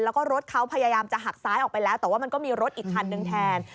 แล้วก็รถเขาพยายามจะหักซ้ายออกไปแล้วแต่ว่ามันก็มีรถอีกคันนึงแทน